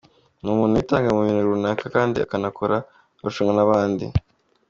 Ni umuntu witanga mu bintu runaka kandi akanakora arushanwa n’abandi.